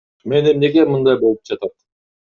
Мен эмнеге мындай болуп жатат?